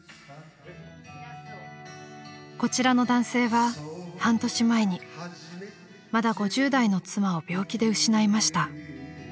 ［こちらの男性は半年前にまだ５０代の妻を病気で失いました］